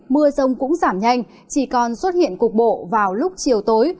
mưa rông cũng giảm nhanh chỉ còn xuất hiện cục bộ vào lúc chiều tối